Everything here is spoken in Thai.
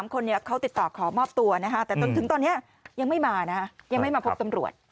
๓คนนี้เขาติดต่อขออบตัวแต่ตอนนี้ยังไม่มาพบตำรวจ